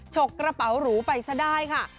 ฉกกระเป๋าหรูไปซะได้ค่ะ